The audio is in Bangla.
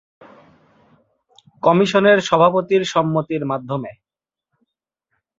কমিশনের সভাপতির সম্মতির মাধ্যমে।